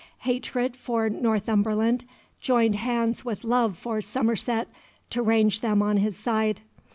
Hatred for Northumberland joined hands with love for Somerset to range them on his side.